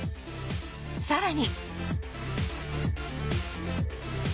さらに